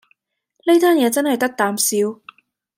呢單嘢真係得啖笑